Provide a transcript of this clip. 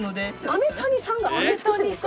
飴谷さんが飴作ってるんですか？